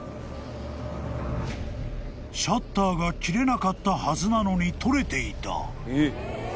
［シャッターが切れなかったはずなのに撮れていた］